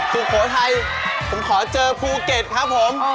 สุโขทัยผมขอเจอภูเก็ตครับผม